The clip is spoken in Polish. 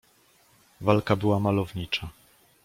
"Walka była malownicza."